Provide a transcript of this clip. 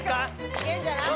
いけんじゃない？